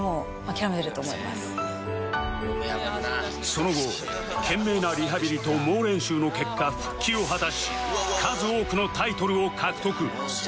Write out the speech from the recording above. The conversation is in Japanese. その後懸命なリハビリと猛練習の結果復帰を果たし数多くのタイトルを獲得